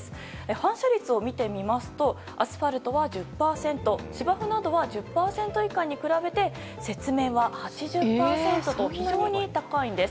反射率を見てみるとアスファルトは１０％芝生などは１０％以下に比べて雪面は８０％と非常に高いんです。